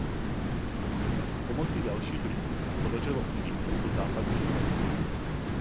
Pomocí dalších lidí se mu podařilo uniknout do Západního Berlína.